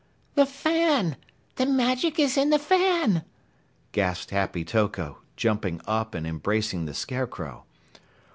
"The fan. The magic is in the fan!" gasped Happy Toko, jumping up and embracing the Scarecrow.